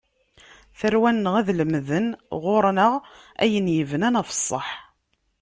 Tarwa-nneɣ ad lemden ɣur-neɣ, ayen yebnan ɣef ṣṣaḥ.